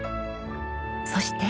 そして。